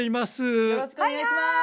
よろしくお願いします！